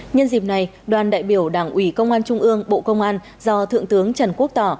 nhân dịp này đoàn đại biểu đảng ủy công an trung ương bộ công an do thượng tướng trần quốc tỏ